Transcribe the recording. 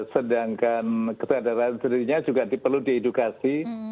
sedangkan kesadaran sendirinya juga diperlu dihidukasi